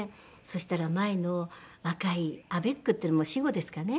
そしたら前の若い「アベック」っていうのはもう死語ですかね？